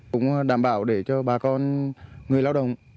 cũng đảm bảo để cho bà con người lao động